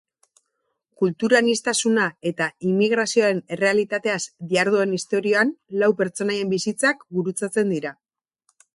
Kulturaniztasuna eta immigrazioaren errealitateaz diharduen istorioan lau pertsonaien bizitzak gurutzatzen dira.